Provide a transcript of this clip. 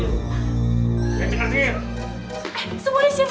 eh semuanya siap siap